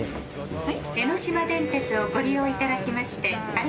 はい。